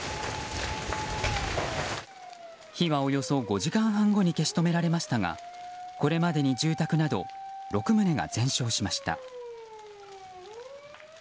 火はおよそ５時間半後に消し止められましたがこれまでに住宅など６棟が全焼しました。